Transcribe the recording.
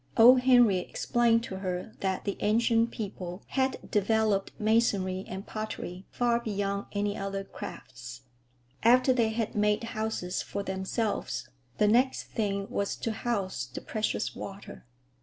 Old Henry explained to her that the Ancient People had developed masonry and pottery far beyond any other crafts. After they had made houses for themselves, the next thing was to house the precious water.